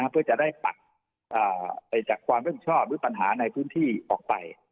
เพื่อจะได้ปักจากความรับผิดชอบหรือปัญหาในพื้นที่ออกไป